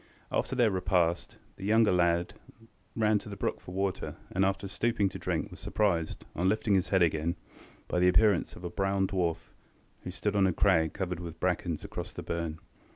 After their repast, the younger lad ran to the brook for water, and, after stooping to drink, was surprised, on lifting his head again, by the appearance of a brown dwarf, who stood on a crag covered with brackens across the burn.